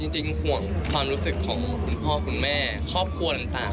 จริงห่วงความรู้สึกของคุณพ่อคุณแม่ครอบครัวต่าง